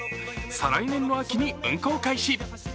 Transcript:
再来年の秋に運行開始。